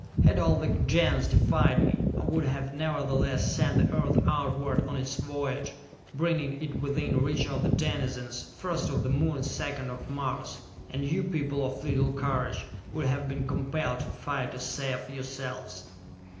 Had all the Gens defied me, I would have nevertheless sent the Earth outward on its voyage, bringing it within reach of the denizens, first of the Moon, second of Mars and you people of little courage would have been compelled to fight to save yourselves!"